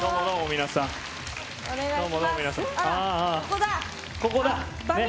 あ、ここだ！